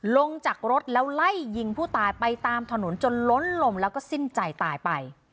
ลงจากรถแล้วไล่ยิงผู้ตายไปตามถนนจนล้นลมแล้วก็สิ้นใจตายไป